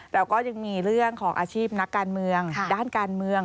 แต่ก็ยังมีเรื่องของอาชีพนักการเมืองด้านการเมือง